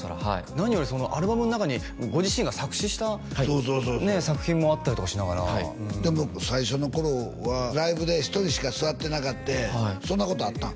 何よりそのアルバムの中にご自身が作詞したそうそうそうそう作品もあったりとかしながらでも最初の頃はライブで１人しか座ってなかってそんなことあったん？